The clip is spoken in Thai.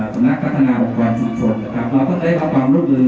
สำนักพัฒนาบังกลองชีวิตชนเราต้องได้รับความรู้มือ